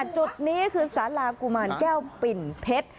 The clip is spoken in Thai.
จุดนี้คือสารากุมารแก้วปิ่นเพชร